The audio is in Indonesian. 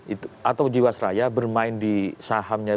itu atau jiwasraya bermain di sahamnya